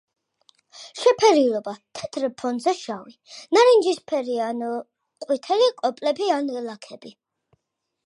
შეფერილობა: თეთრ ფონზე შავი, ნარინჯისფერი ან ყვითელი კოპლები ან ლაქები.